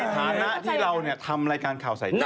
ฐานะที่เราทำรายการข่าวใส่ใจ